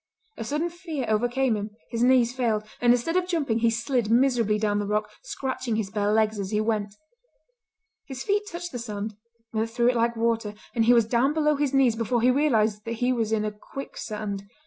A sudden fear overcame him; his knees failed, and instead of jumping he slid miserably down the rock, scratching his bare legs as he went. His feet touched the sand—went through it like water—and he was down below his knees before he realised that he was in a quicksand.